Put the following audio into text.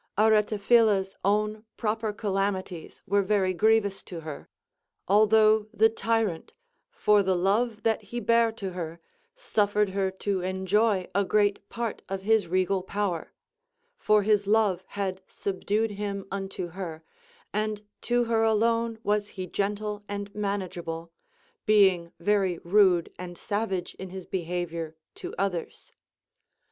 Aretaphila's own proper calamities were very grievous to her, although the tyrant, for the love that he bare to her, suffered her to enjoy a great part of his regal power ; for his love had subdued him unto her, and to her alone was he gentle and manageable, being very rude and savage in his behavior to others.